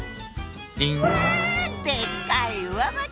ピン！わでっかい上履き！